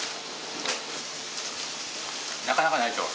なかなかないでしょ